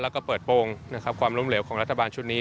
แล้วก็เปิดโปรงนะครับความล้มเหลวของรัฐบาลชุดนี้